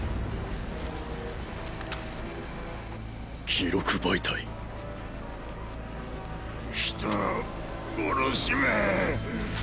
記録媒体人殺しめ！